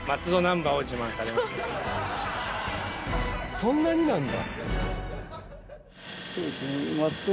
そんなになんだ。